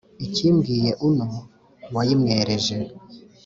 ikimbwiye uno wa yimwereje